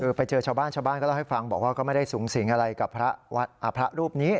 คือไปเจอชาวบ้านชาวบ้านก็เล่าให้ฟังบอกว่าก็ไม่ได้สูงสิงอะไรกับพระรูปนี้